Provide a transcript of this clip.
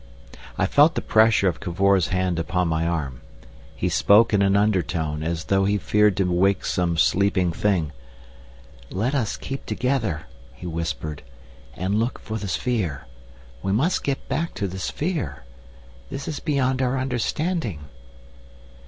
I felt the pressure of Cavor's hand upon my arm. He spoke in an undertone, as though he feared to wake some sleeping thing. "Let us keep together," he whispered, "and look for the sphere. We must get back to the sphere. This is beyond our understanding."